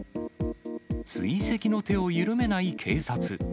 追跡の手を緩めない警察。